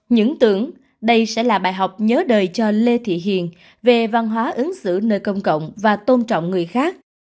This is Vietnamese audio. những tưởng đây sẽ là bài học nhớ đời cho lê thị hiền về văn hóa ứng xử nơi công cộng và tôn trọng người khác